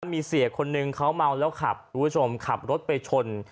มีเสียคนนึงเขาเมาแล้วขับคุณผู้ชมขับรถไปชน